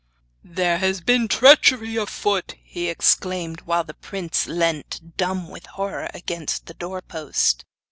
'There was been treachery at work,' he exclaimed, while the prince leant, dumb with horror, against the doorpost.